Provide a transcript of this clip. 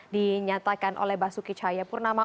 dinyatakan oleh basuki cahaya purnama